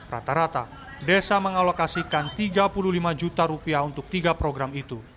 rata rata desa mengalokasikan rp tiga puluh lima untuk tiga program itu